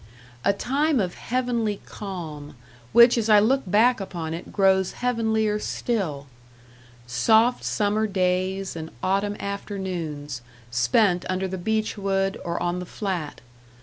A time of heavenly calm which as I look back upon it grows heavenlier still! Soft summer days and autumn afternoons, spent under the beech wood, or on the Flat.